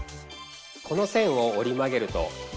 この線を折り曲げるとＬ。